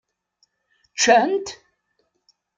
Ččan-t?